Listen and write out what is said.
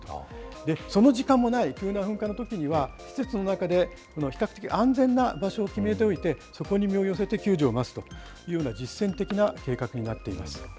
で、その時間もない急な噴火のときには、施設の中で比較的安全な場所を決めておいて、そこに身を寄せて救助を待つというような、実践的な計画になっています。